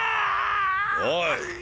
おい！